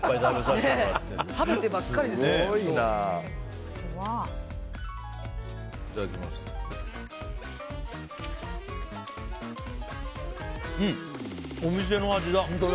うん、お店の味だ。